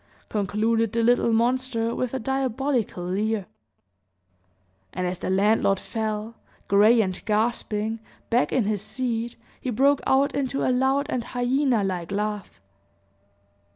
concluded the little monster, with a diabolical leer. And as the landlord fell, gray and gasping, back in his seat, he broke out into a loud and hyena like laugh.